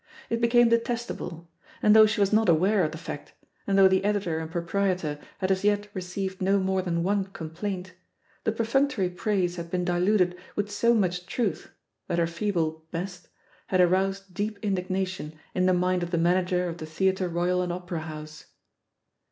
It became detest able ; and though she was not aware of the fact, and though the editor and proprietor had as yet received no more than one complaint, the per functory praise had been diluted with so much truth that her feeble "best" had aroused deep indignation in the mind of the manager of the Theatre Royal and Opera House.